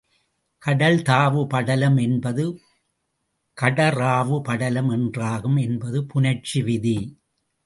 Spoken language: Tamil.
கடல் தாவு படலம் என்பது கடறாவு படலம் என்றாகும் என்பது புணர்ச்சி விதி.